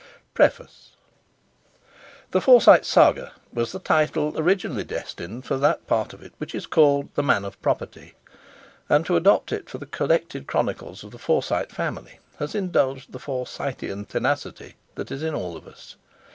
PREFACE: "The Forsyte Saga" was the title originally destined for that part of it which is called "The Man of Property"; and to adopt it for the collected chronicles of the Forsyte family has indulged the Forsytean tenacity that is in all of us.